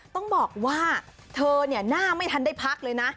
ต้องบอกว่าเธอเนี่ยหน้าไม่ทันได้พักเลยนะ